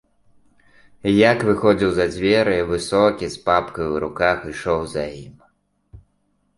І як выходзіў за дзверы, высокі з папкаю ў руках ішоў за ім.